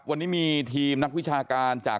วันนี้มีทีมนักวิชาการจาก